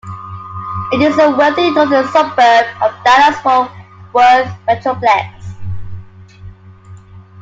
It is a wealthy northern suburb of the Dallas-Fort Worth metroplex.